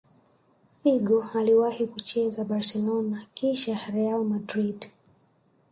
figo aliwahi kucheza barcelona kisha real madrid